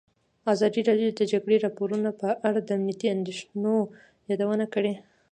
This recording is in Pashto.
ازادي راډیو د د جګړې راپورونه په اړه د امنیتي اندېښنو یادونه کړې.